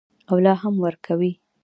او لا هم ورکوي.